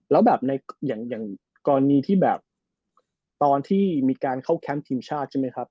แล้วแบบในอย่างกรณีที่แบบตอนที่มีการเข้าแคมป์ทีมชาติใช่ไหมครับ